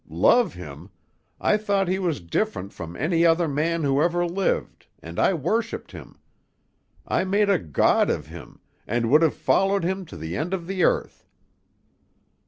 Love him! I thought he was different from any other man who ever lived, and I worshipped him; I made a god of him, and would have followed him to the end of the earth."